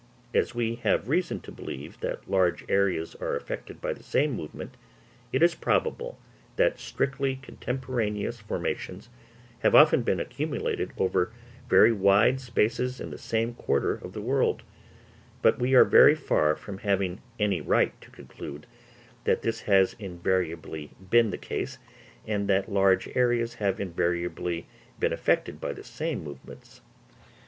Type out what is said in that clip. As we have reason to believe that large areas are affected by the same movement, it is probable that strictly contemporaneous formations have often been accumulated over very wide spaces in the same quarter of the world; but we are very far from having any right to conclude that this has invariably been the case, and that large areas have invariably been affected by the same movements.